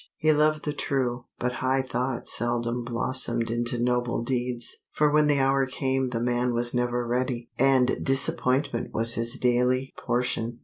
He loved the true, but high thoughts seldom blossomed into noble deeds; for when the hour came the man was never ready, and disappointment was his daily portion.